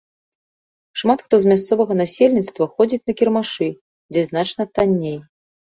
Шмат хто з мясцовага насельніцтва ходзіць на кірмашы, дзе значна танней.